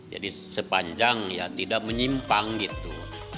jadi sepanjang ya tidak menyimpang gitu